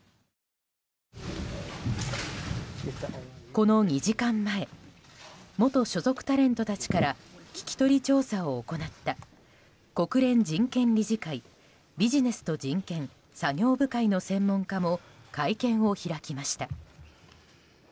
この２時間前元所属タレントたちから聞き取り調査を行った国連人権理事会ビジネスと人権作業部会の専門家も会見を開きました。